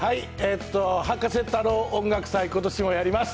葉加瀬太郎音楽祭、ことしもやります。